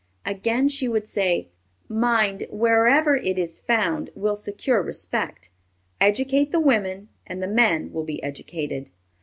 Again, she would say, "Mind, wherever it is found, will secure respect.... Educate the women, and the men will be educated.